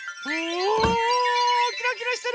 おキラキラしてる！